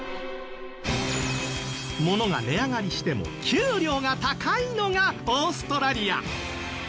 物が値上がりしても給料が高いのがオーストラリア。